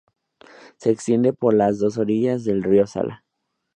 Se extiende por las dos orillas del río Zala.